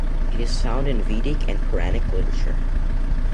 It is found in Vedic and Puranic literature.